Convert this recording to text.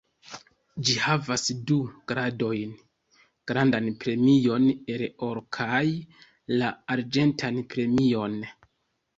Ĝi havas du gradojn: Grandan premion el oro kaj la arĝentan premion.